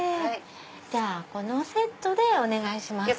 じゃあセットでお願いします。